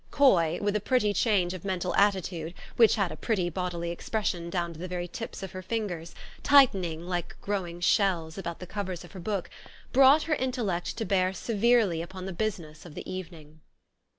Coy, with a pretty change of mental attitude, which had a pretty bodily expression down to the very tips of her fingers, tightening, like growing shells, about the covers of her book, brought her intellect to bear severely upon the business of the evening.